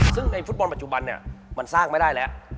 ซึ่งในฟุตบอลปัจจุบันเนี่ยมันสร้างไม่ได้แล้ว